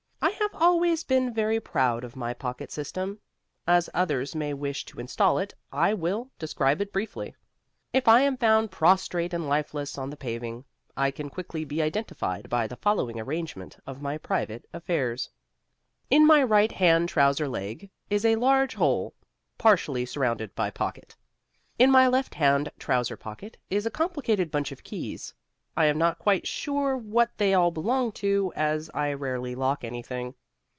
I have always been very proud of my pocket system. As others may wish to install it, I will describe it briefly. If I am found prostrate and lifeless on the paving, I can quickly be identified by the following arrangement of my private affairs: In my right hand trouser leg is a large hole, partially surrounded by pocket. In my left hand trouser pocket is a complicated bunch of keys. I am not quite sure what they all belong to, as I rarely lock anything.